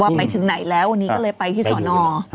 ไปถึงไหนแล้ววันนี้ก็เลยไปที่สอนอ